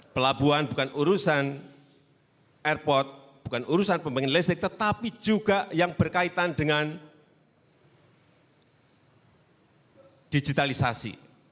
pelabuhan bukan urusan airport bukan urusan pembangunan listrik tetapi juga yang berkaitan dengan digitalisasi